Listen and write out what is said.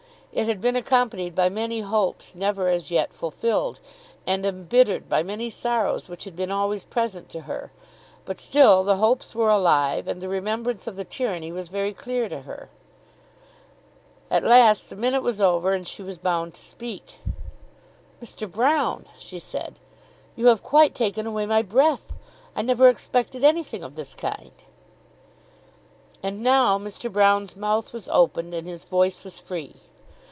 It had been accompanied by many hopes never as yet fulfilled, and embittered by many sorrows which had been always present to her; but still the hopes were alive and the remembrance of the tyranny was very clear to her. At last the minute was over and she was bound to speak. "Mr. Broune," she said, "you have quite taken away my breath. I never expected anything of this kind." And now Mr. Broune's mouth was opened, and his voice was free.